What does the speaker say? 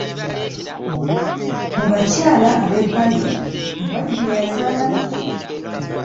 Mu bakyala ab'ebbali, ewali gwe yazaalamu.